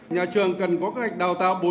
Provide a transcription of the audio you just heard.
nhà trường cần có cách đào tạo bồi dưỡng